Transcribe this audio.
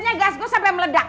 tentunya gas gua sampe meledak